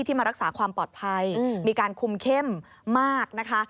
มารักษาความปลอดภัยมีการคุมเข้มมากนะคะ